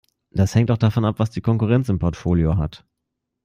Das hängt auch davon ab, was die Konkurrenz im Portfolio hat.